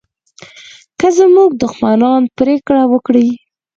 که زموږ دښمنان پرېکړه وکړي